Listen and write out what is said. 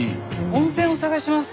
温泉を探します。